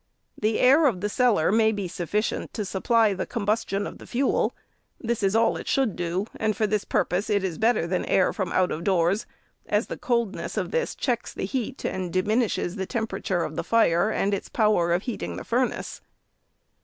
The air of the cellar may be sufficient to supply the combustion of the fuel ; this is all it should do — and for this purpose it is better than air from out of doors, as the coldness of this checks the heat, and diminishes the temperature of the fire, and its power of heating the furnace.